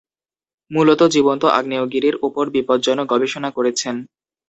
মুলত জীবন্ত আগ্নেয়গিরির ওপর বিপজ্জনক গবেষণা করেছেন।